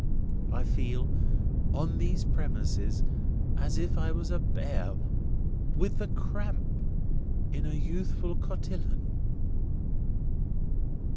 I feel, on these premises, as if I was a bear—with the cramp—in a youthful Cotillon."